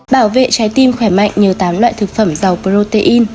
bảo vệ trái tim khỏe mạnh như tám loại thực phẩm giàu protein